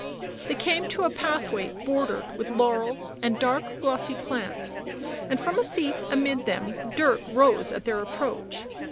They came to a pathway bordered with laurels and dark glossy plants, and from a seat amid them Dirk rose at their approach.